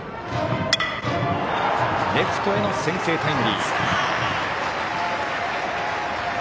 レフトへの先制タイムリー。